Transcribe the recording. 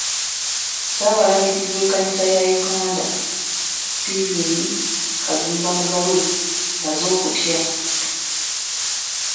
Ssaabalabirizi w'ekkanisa ya Uganda, Stephen Kazimba Mugalu, alaze okutya.